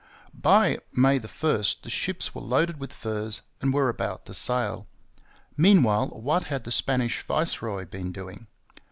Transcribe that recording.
By May 1 the ships were loaded with furs and were about to sail. Meanwhile, what had the Spanish viceroy been doing?